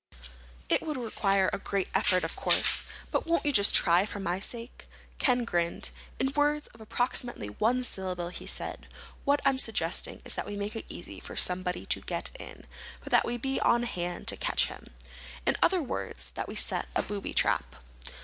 It would require a great effort, of course, but won't you just try for my sake?" Ken grinned. "In words of approximately one syllable," he said, "what I'm suggesting is that we make it easy for someone to get in, but that we be on hand to catch him. In other words, that we set a booby trap."